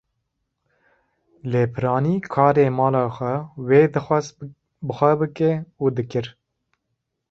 Lê piranî karê mala xwe wê dixwast bi xwe bike û dikir.